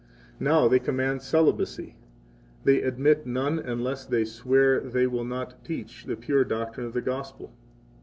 70 Now they command celibacy; they admit none unless they swear that they will not teach 71 the pure doctrine of the Gospel.